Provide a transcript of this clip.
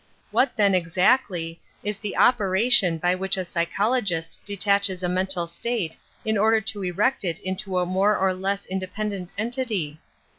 What, then, exactly, is the operation by which a psychologis t detaches a mental state in order to erect it into a v.. more or less independent entity?